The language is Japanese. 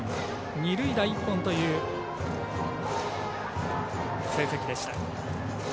二塁打１本という成績でした。